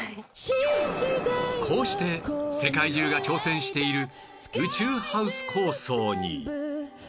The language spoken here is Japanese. こうして世界中が挑戦している宇宙ハウス構想に